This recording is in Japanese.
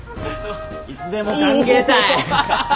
いつでも歓迎たい！